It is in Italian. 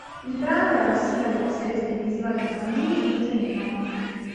Il brano era la sigla della serie televisiva per bambini "Il trenino".